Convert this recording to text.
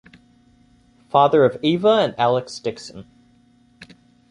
Father of Ava and Alex Dickson.